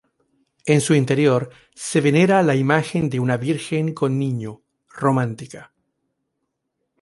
En su interior se venera la imagen de una Virgen con Niño, románica.